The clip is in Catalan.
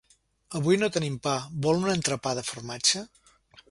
Avui no tenim pa, vol un entrepà de formatge?